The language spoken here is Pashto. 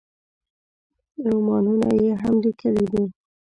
رومانونه یې هم لیکلي دي.